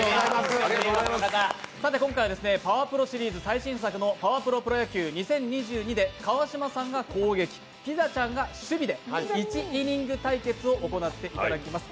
今回は「パワプロ」シリーズ最新作の「パワプロプロ野球２０２２」で川島さんが攻撃ピザちゃんが守備で１イニング対決を行っていただきます。